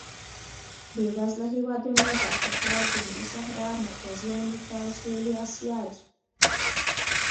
بېوزله هېوادونه د افریقا جنوبي صحرا، مرکزي امریکا او سوېلي اسیا دي.